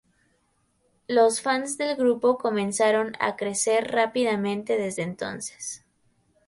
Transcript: Los fans del grupo comenzaron a crecer rápidamente desde entonces.